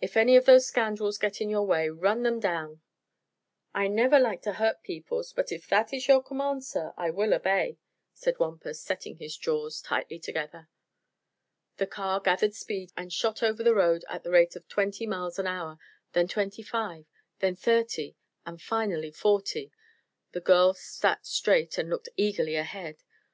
"If any of those scoundrels get in your way, run them down." "I never like to hurt peoples; but if that is your command, sir, I will obey," said Wampus, setting his jaws tightly together. The car gathered speed and shot over the road at the rate of twenty miles an hour; then twenty five then thirty and finally forty. The girls sat straight and looked eagerly ahead.